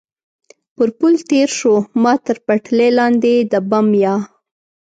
پر پل تېر شو، ما تر پټلۍ لاندې د بم یا.